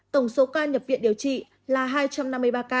tổng số ca nhập viện điều trị là hai trăm năm mươi ba ca